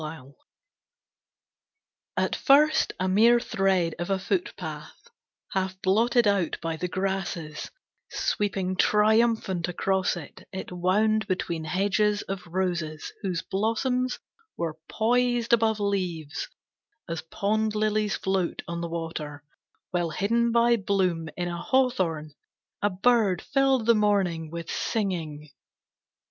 The Way At first a mere thread of a footpath half blotted out by the grasses Sweeping triumphant across it, it wound between hedges of roses Whose blossoms were poised above leaves as pond lilies float on the water, While hidden by bloom in a hawthorn a bird filled the morning with singing.